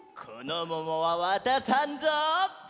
このももはわたさんぞ！